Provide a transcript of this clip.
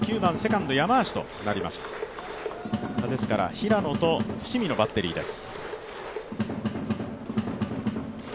平野と伏見のバッテリーです。